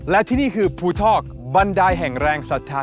และที่นี่คือภูทอกบันไดแห่งแรงศรัทธา